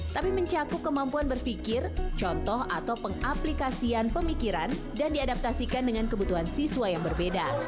tapi mencakup kemampuan berpikir contoh atau pengaplikasian pemikiran dan diadaptasikan dengan kebutuhan siswa yang berbeda